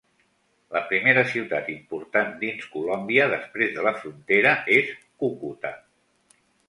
La primera ciutat important dins Colòmbia després de la frontera és Cúcuta.